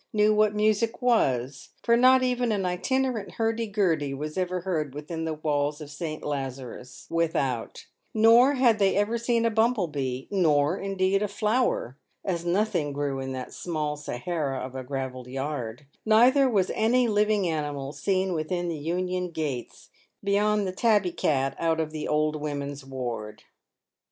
knew what music was — for not even an itinerant hurdy gurdy was ever heard within the walls of St. Lazarus Without ; nor had they ever seen a bumble bee ; nor, indeed, a flower (as nothing grew in that small Sahara of a gravelled yard) ; neither was any living animal seen within the Union gates, beyond the tabby cat out of the " old women's ward."